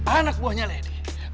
anak buahnya lady